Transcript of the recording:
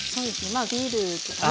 まあビールとかね。